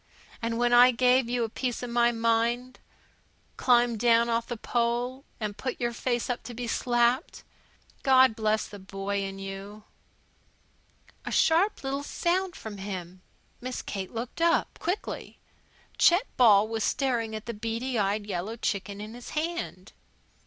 and when I gave you a piece of my mind climbed down off the pole, and put your face up to be slapped, God bless the boy in you A sharp little sound from him. Miss Kate looked up, quickly. Chet Ball was staring at the beady eyed yellow chicken in his hand.